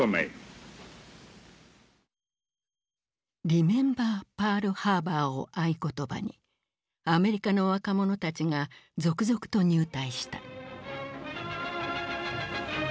「リメンバー・パールハーバー」を合言葉にアメリカの若者たちが続々と入隊した。